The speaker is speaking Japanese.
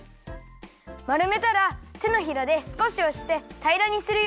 まるめたらてのひらですこしおしてたいらにするよ。